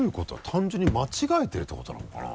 単純に間違えてるってことなのかな？